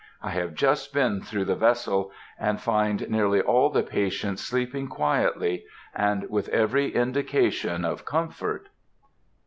I have just been through the vessel, and find nearly all the patients sleeping quietly, and with every indication of comfort.